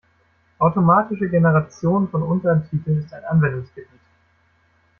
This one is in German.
Automatische Generation von Untertiteln ist ein Anwendungsgebiet.